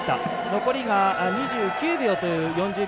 残りが２９秒という４０秒